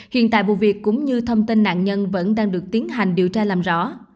hiện tại vụ việc cũng như thông tin nạn nhân vẫn đang được tiến hành điều tra làm rõ